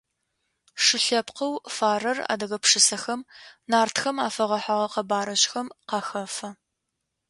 Шы лъэпкъэу фарэр адыгэ пшысэхэм, Нартхэм афэгъэхьыгъэ къэбарыжъхэм къахэфэ.